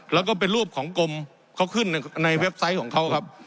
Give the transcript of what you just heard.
แล้วก็เป็นรูปของกรมเขาขึ้นในเว็บไซต์ของเขาครับ